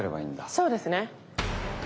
そうですね。